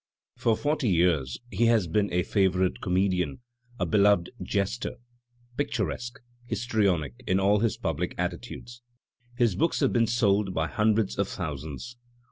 For forty years he has been a favourite comedian, a beloved jester, picturesque, histrionic in all his public attitudes. His books have been sold by hundreds of thousands.